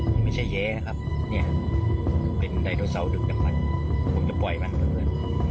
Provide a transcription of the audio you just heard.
มันไม่ใช่แยะนะครับเนี่ยเป็นไดโนเซาดึกน้ำมันผมจะปล่อยมันครับเพื่อน